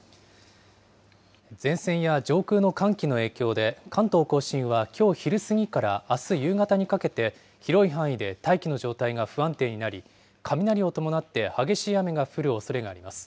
前線や上空の寒気の影響で、関東甲信はきょう昼過ぎからあす夕方にかけて、広い範囲で大気の状態が不安定になり、雷を伴って激しい雨が降るおそれがあります。